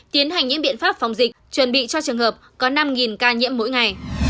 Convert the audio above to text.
tiến hành những biện pháp phòng dịch chuẩn bị cho trường hợp có năm ca nhiễm mỗi ngày